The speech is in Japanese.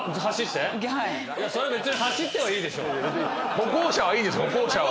歩行者はいいでしょ歩行者は。